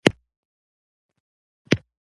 چي دوستان راسره نه وي زه په څشي به پایېږم